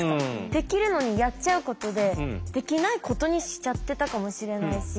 できるのにやっちゃうことでできないことにしちゃってたかもしれないし。